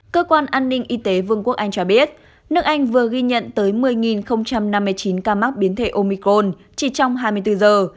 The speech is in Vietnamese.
cơ quan an ninh y tế vương quốc anh cho biết nước anh vừa ghi nhận tới một mươi năm mươi chín ca mắc biến thể omicol chỉ trong hai mươi bốn giờ